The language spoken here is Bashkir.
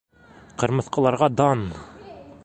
Ҡырмыҫҡаларға дан!